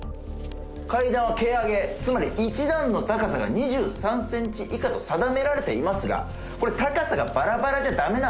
階段は蹴上げつまり一段の高さが２３ｃｍ以下と定められていますがこれ高さがバラバラじゃダメなんて